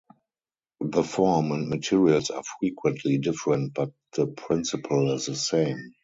The form and materials are frequently different, but the principle is the same.